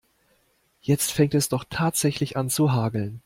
Jetzt fängt es doch tatsächlich an zu hageln.